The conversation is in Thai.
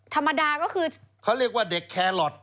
ธรรมดาก็คือเขาเรียกว่าเด็กแคลอท